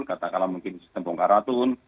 katakanlah mungkin sistem bongkaratun